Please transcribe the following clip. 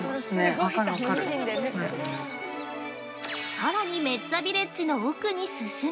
◆さらにメッツァビレッジの奥に進み